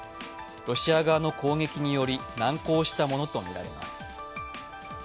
ロシア側の攻撃により難航したものと思われます。